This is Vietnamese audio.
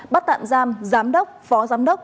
bắt tạm giam giám đốc phó giám đốc